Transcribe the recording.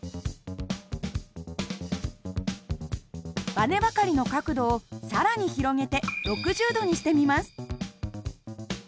ばねばかりの角度を更に広げて６０度にしてみます。